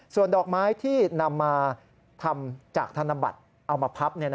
ส่วนดอกไม้ที่นำมาทำจากธนบัตรเอามาพับ